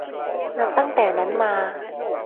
นับตั้งแต่นั้นมา